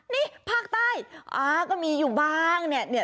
นี่ภาคใต้ก็มีอยู่บ้างเนี่ย